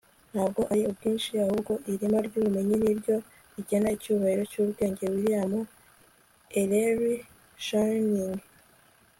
ntabwo ari ubwinshi ahubwo ireme ry'ubumenyi ni ryo rigena icyubahiro cy'ubwenge. - william ellery channing